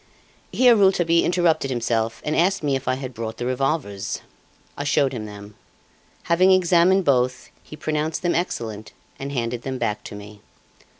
Here Rouletabille interrupted himself and asked me if I had brought the revolvers. I showed him them. Having examined both, he pronounced them excellent, and handed them back to me.